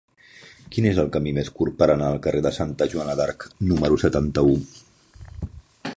Quin és el camí més curt per anar al carrer de Santa Joana d'Arc número setanta-u?